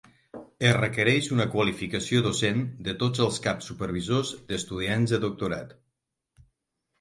Es requereix una qualificació docent de tots els caps supervisors d'estudiants de doctorat.